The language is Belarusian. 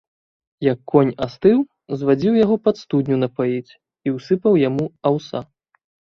Як конь астыў, звадзіў яго пад студню напаіць і ўсыпаў яму аўса.